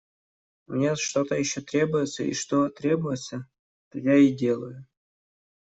Мне что-то еще требуется, и что требуется, то я и делаю.